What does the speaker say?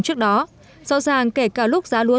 trước đó do rằng kể cả lúc giá lúa